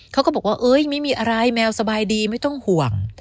เขาก็บอกว่าไม่มีอะไรแมวสบายดีไม่ต้องห่วง